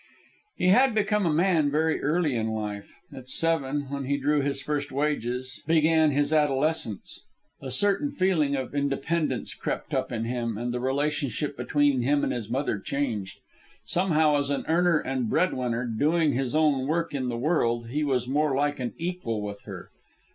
He had become a man very early in life. At seven, when he drew his first wages, began his adolescence. A certain feeling of independence crept up in him, and the relationship between him and his mother changed. Somehow, as an earner and breadwinner, doing his own work in the world, he was more like an equal with her.